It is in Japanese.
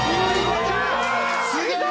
すげえ！